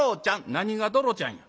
「何が『どろちゃん』や。